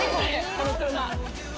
この車。